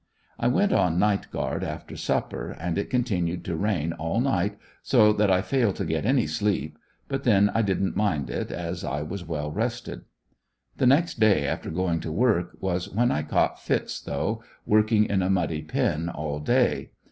I went on "night guard" after supper and it continued to rain all night, so that I failed to get any sleep; but then I didn't mind it, as I was well rested. The next day after going to work, was when I caught fits though, working in a muddy pen all day.